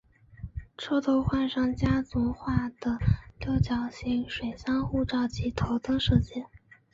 车头换上家族化的六角形水箱护罩及头灯设计。